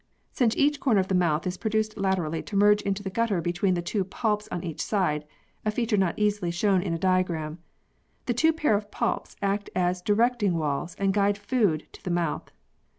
Since each corner of the mouth is produced laterally to merge into the gutter between the two palps on each side (a feature not easily shown in a diagram), the two pair of palps act as directing walls and guide food to the mouth.